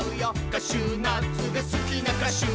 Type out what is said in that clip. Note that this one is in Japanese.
「カシューナッツがすきなかしゅ」